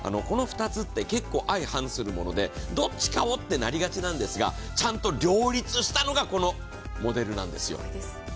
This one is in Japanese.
この２つは結構相反するもので、どっちかをとなりがちなんですが、ちゃんと両立したのがこのモデルなんですよ。